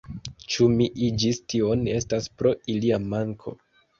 Ĉu mi iĝis tion, estas pro ilia manko.